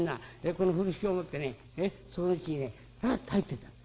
この風呂敷を持ってねそのうちにねパッと入っていったんだ。